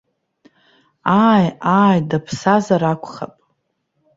Ааи, ааи, даԥсазар акәхап.